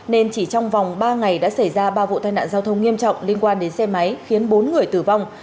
nên chỉ trong vòng ba ngày đã xảy ra ba vụ tai nạn giao thông nghiêm trọng liên quan đến xe máy khiến bốn người tử vong